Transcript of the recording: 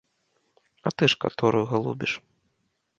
А ты ж каторую галубіш?